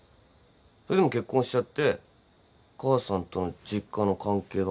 それでも結婚しちゃって母さんと実家の関係が悪くなったんじゃない？